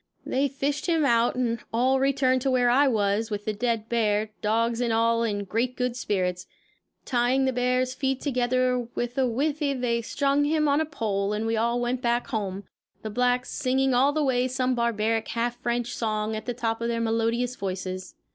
They fished him out and all returned to where I was, with the dead bear, dogs and all in great good spirits. Tying the bear's feet together with a withe they strung him on a pole and we all went back home, the blacks singing all the way some barbaric half French song at the top of their melodious voices.